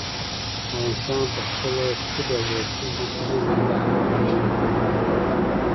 افغانستان په خپله ښکلې او زړه راښکونکې کلیزو منظره باندې یو غني هېواد دی.